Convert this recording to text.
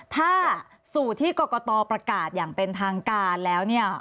ถ้าสูตรที่กรกตประกาศอย่างเป็นทางการแล้วเนี่ย